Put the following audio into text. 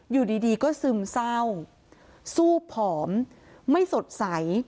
อยู่ดีก็ซึมเศร้าสู้ผอมไม่สดใส